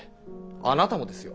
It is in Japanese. あなたもですよ。